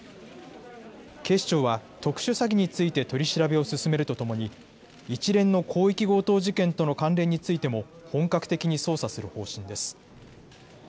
警視庁は特殊詐欺について取り調べを進めるとともに一連の広域強盗事件との関連についても本格的に捜査する方針です。